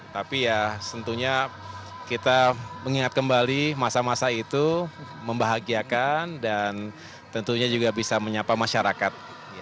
tapi ya tentunya kita mengingat kembali masa masa itu membahagiakan dan tentunya juga bisa menyapa masyarakat